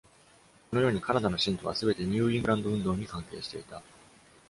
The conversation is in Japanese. このように、カナダの信徒はすべてニューイングランド運動に関係していた。